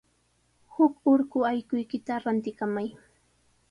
Huk urqu allquykita rantikamay.